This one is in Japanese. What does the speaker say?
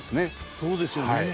そうですよねえ。